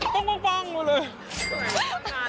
ป้องป้องป้องมาเลย